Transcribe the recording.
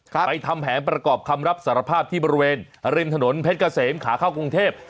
ไปทำแผนประกอบคำรับสารภาพที่บริเวณริมถนนเพชรเกษมขาเข้ากรุงเทพ